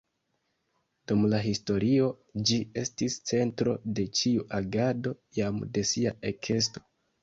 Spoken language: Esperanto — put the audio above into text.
Dum la historio ĝi estis centro de ĉiu agado jam de sia ekesto.